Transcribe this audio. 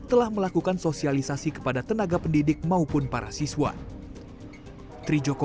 telah melakukan sosialisasi kepada tenaga pendidik maupun para siswa